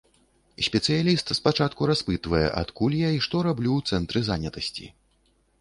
Спецыяліст спачатку распытвае, адкуль я і што раблю ў цэнтры занятасці.